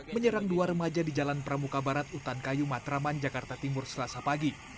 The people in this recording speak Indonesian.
menyerang dua remaja di jalan pramuka barat utan kayu matraman jakarta timur selasa pagi